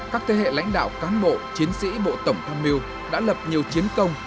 các thế hệ lãnh đạo cán bộ chiến sĩ bộ tổng tham mưu đã lập nhiều chiến công